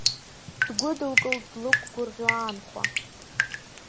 Дгәыдылкылт длықәгәырӷьо анхәа.